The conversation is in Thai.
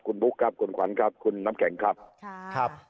คุณบุ๊คครับคุณขวัญครับคุณน้ำแข็งครับค่ะครับ